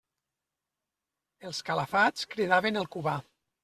Els calafats cridaven el Cubà.